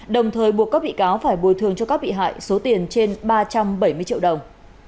đồng thời buộc các bị cáo phải bồi thường cho các bị hại số tiền trên ba trăm bảy mươi triệu đồng